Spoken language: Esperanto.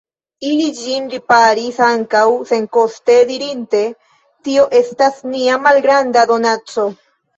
Ili ĝin riparis ankaŭ senkoste, dirinte: Tio estas nia malgranda donaco.